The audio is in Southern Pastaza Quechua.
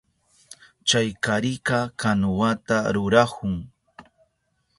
Chay karika kanuwata rurahun.